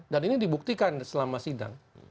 ini dibuktikan selama sidang